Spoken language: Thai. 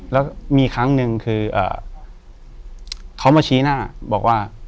แล้วมีครั้งหนึ่งคือเขามาชี้หน้าบอกว่า